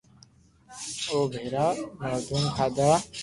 او ڀآرا بادوم کادا